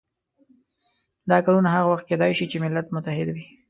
دا کارونه هغه وخت کېدای شي چې ملت متحد وي.